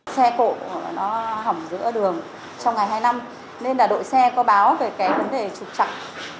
xe cộ hỏng giữa đường trong ngày hai mươi năm nên đội xe có báo về vấn đề trục trặc